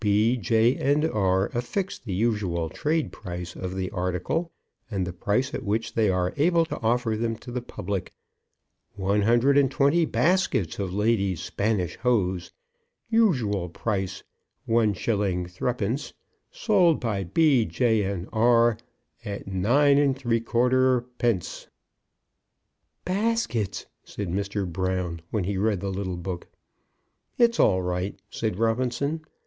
B., J., and R. affix the usual trade price of the article, and the price at which they are able to offer them to the public. One hundred and twenty baskets of ladies' Spanish hose, usual price, 1_s._ 3_d._; sold by B., J., and R. at 9¾_d._ "Baskets!" said Mr. Brown, when he read the little book. "It's all right," said Robinson.